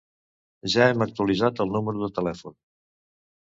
Ja hem actualitzat el número de telèfon.